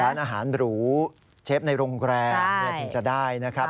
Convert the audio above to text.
ร้านอาหารหรูเชฟในโรงแรมถึงจะได้นะครับ